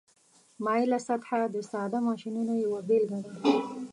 مایله سطحه د ساده ماشینونو یوه بیلګه ده.